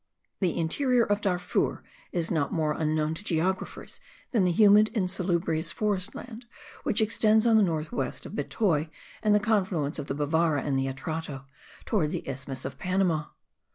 The interior of Darfur is not more unknown to geographers than the humid, insalubrious forest land which extends on the north west of Betoi and the confluence of the Bevara with the Atrato, towards the isthmus of Panama.